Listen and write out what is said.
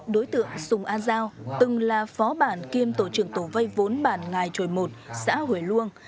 đối tượng sùng an giao từng là phó bản kiêm tổ trưởng tổ vay vốn bản ngài trồi một xã hủy luông